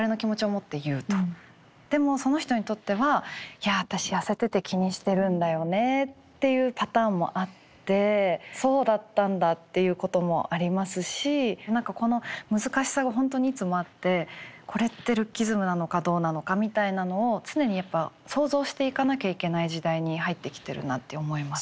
でもその人にとってはいや私痩せてて気にしてるんだよねっていうパターンもあってそうだったんだっていうこともありますし何かこの難しさが本当にいつもあってこれってルッキズムなのかどうなのかみたいなのを常にやっぱ想像していかなきゃいけない時代に入ってきてるなって思います。